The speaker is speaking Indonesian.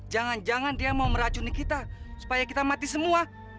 jangan jangan dia mau meracuni kita supaya kita mati semua